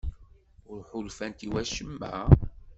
Ur ḥulfant i wacemma?